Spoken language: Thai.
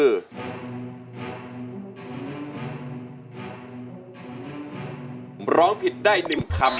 คุณร้องผิดได้หนึ่งครับ